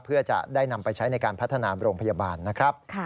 เพื่อจะได้นำไปใช้ในการพัฒนาโรงพยาบาลนะครับ